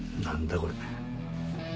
何だこれ。